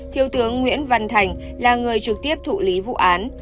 thiếu tướng nguyễn văn thành là người trực tiếp thụ lý vụ án